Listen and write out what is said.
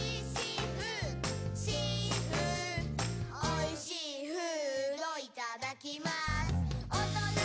「おいしーフードいただきます」